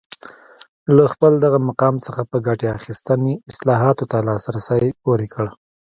له خپل دغه مقام څخه په ګټې اخیستنې اصلاحاتو ته لاس پورې کړ